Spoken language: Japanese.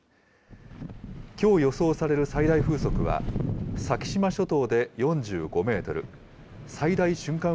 きょう予想される最大風速は、先島諸島で４５メートル、最大瞬間